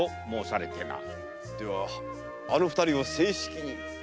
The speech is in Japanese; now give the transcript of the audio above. ではあの二人を正式に？